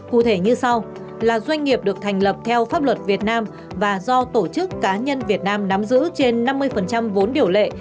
cụ thể như sau là doanh nghiệp được thành lập theo pháp luật việt nam và do tổ chức cá nhân việt nam nắm giữ trên năm mươi vốn điều lệ